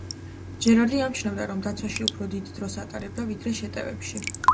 ჯერარდი ამჩნევდა რომ დაცვაში უფრო დიდ დროს ატარებდა, ვიდრე შეტევებში.